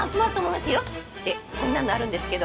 でこんなのあるんですけど。